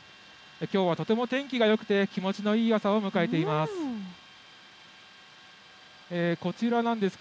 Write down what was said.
きょうはとても天気がよくて、気持ちのいい朝を迎えています。